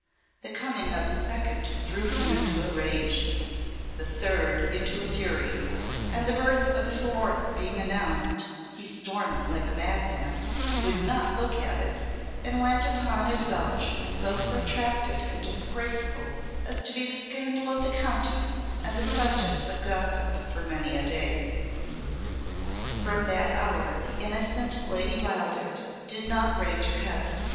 The coming of the second threw him into a rage, the third into a fury; and the birth of a fourth being announced, he stormed like a madman, would not look at it, and went upon a debauch so protracted and disgraceful as to be the scandal of the county and the subject of gossip for many a day. From that hour the innocent Lady Wildairs did not raise her head.